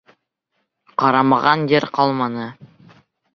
Ҡарамаған ер ҡалманы.